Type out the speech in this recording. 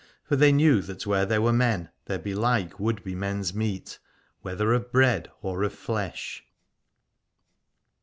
For they knew that where there were men, there behke would be men's meat, whether of bread or of flesh.